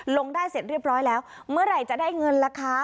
ลงได้เสร็จเรียบร้อยแล้วเมื่อไหร่จะได้เงินล่ะคะ